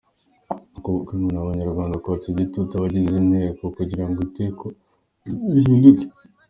Ku bwe ngo ni ah’Abanyarwanda kotsa igitutu abagize inteko kugira ngo itegeko rihinduke.